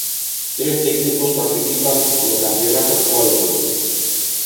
Trece equipos participan no campionato actualmente.